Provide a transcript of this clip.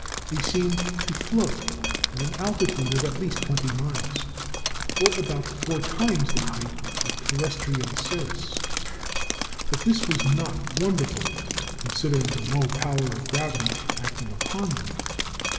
They seemed to float at an altitude of at least twenty miles, or about four times the height of terrestrial cirrus; but this was not wonderful, considering the low power of gravity acting upon them.